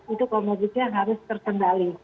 itu komorbidnya harus terkendali